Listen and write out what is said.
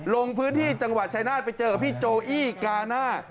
ลงพื้นที่จังหวัดชายนาฏไปเจอกับพี่โจอี้กาน่า